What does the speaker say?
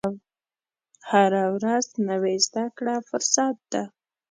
هره ورځ نوې زده کړه فرصت ده.